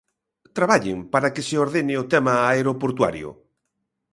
Traballen para que se ordene o tema aeroportuario.